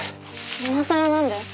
今さらなんで？